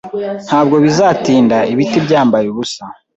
Ntabwo bizatinda ibiti byambaye ubusa.